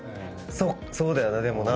そうだよなでもな。